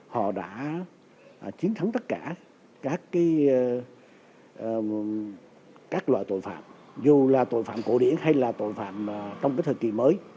họ đã chiến thắng tất cả các loại tội phạm dù là tội phạm cổ điển hay là tội phạm trong thời kỳ mới